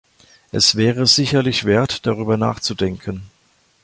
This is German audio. Es wäre sicherlich wert, darüber nachzudenken.